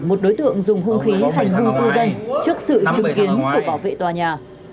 một đối tượng dùng hung khí hành hung cư dân trước sự chứng kiến của bảo vệ tòa nhà